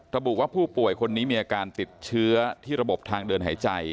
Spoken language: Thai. ระบุว่าผู้ป่วยคนนี้มีอาการติดเชื้อที่ระบบทางเดินหายใจ